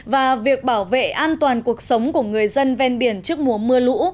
và việc bảo vệ an toàn cuộc sống của người dân ven biển trước mùa mưa lũ